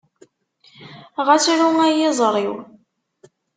Ɣas ru ay iẓri-w.